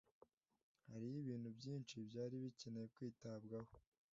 Hariho ibintu byinshi byari bikeneye kwitabwaho,